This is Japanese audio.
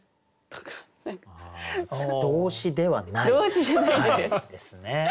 動詞ではないですね。